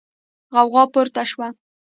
غوغا پورته شوه.